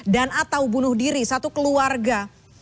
dan atau bunuh diri satu keluarga